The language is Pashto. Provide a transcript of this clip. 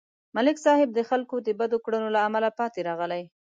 ملک صاحب د خلکو د بدو کړنو له امله پاتې راغی.